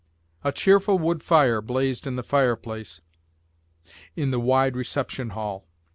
A cheerful wood fire blazed in the fireplace in the wide reception hall.